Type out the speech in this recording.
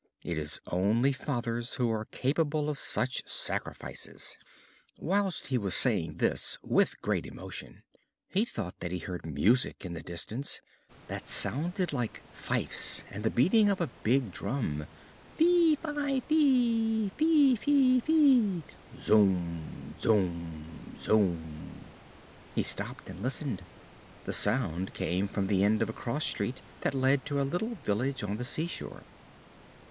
It is only fathers who are capable of such sacrifices!" Whilst he was saying this with great emotion, he thought that he heard music in the distance that sounded like fifes and the beating of a big drum: Fi fie fi, fi fi fi; zum, zum, zum. He stopped and listened. The sounds came from the end of a cross street that led to a little village on the seashore.